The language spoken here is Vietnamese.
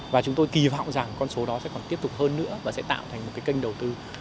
và chúng tôi kỳ vọng rằng con số đó sẽ còn tiếp tục hơn nữa và sẽ tạo thành một cái kênh đầu tư